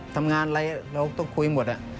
ทำงานอะไรเราต้องคุยหมด